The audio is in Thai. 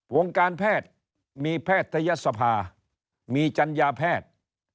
วงการแพทย์มีแพทยศภามีจัญญาแพทย์